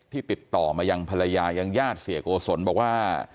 ติดต่อมายังภรรยายังญาติเสียโกศลบอกว่า